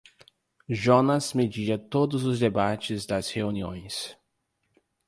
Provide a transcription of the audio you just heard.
Jonas medeia todos os debates das reuniões.